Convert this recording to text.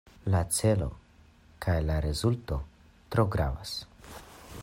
La celo kaj la rezulto tro gravas.